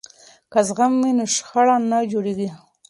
که زغم وي نو شخړه نه جوړیږي.